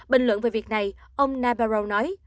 bình luận về việc này ông nabarro nói